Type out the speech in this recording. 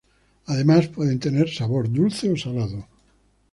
Además pueden tener sabor dulce o salado.